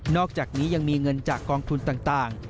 อกจากนี้ยังมีเงินจากกองทุนต่าง